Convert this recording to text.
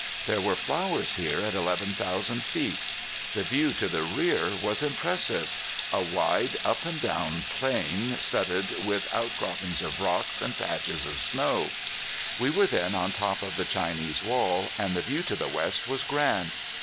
There were flowers here at eleven thousand feet. The view to the rear was impressive a wide up and down plain studded with out cropping of rocks, and patches of snow. We were then on top of the Chinese Wall, and the view to the west was grand.